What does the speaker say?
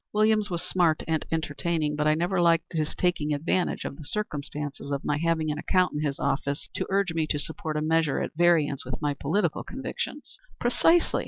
Williams was smart and entertaining, but I never liked his taking advantage of the circumstances of my having an account in his office to urge me to support a measure at variance with my political convictions." "Precisely.